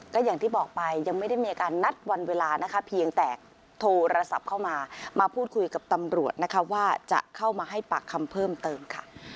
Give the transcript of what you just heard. ก็อย่างที่บอกไปยังไม่ได้มีการนัดวันเวลานะคะเพียงแต่โทรศัพท์เข้ามามาพูดคุยกับตำรวจนะคะว่าจะเข้ามาให้ปากคำเพิ่มเติมค่ะ